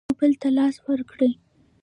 یو بل ته لاس ورکړئ